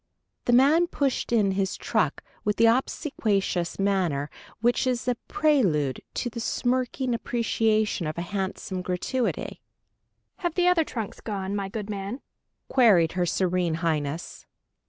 The man pushed in his truck, with the obsequious manner which is a prelude to the smirking appreciation of a handsome gratuity. "Have the other trunks gone, my good man?" queried her Serene Highness.